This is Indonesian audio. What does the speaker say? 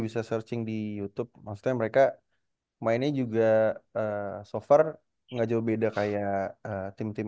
bisa searching di youtube maksudnya mereka mainnya juga so far nggak jauh beda kayak tim tim